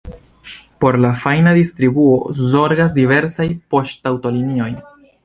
Por la fajna distribuo zorgas diversaj poŝtaŭtolinioj.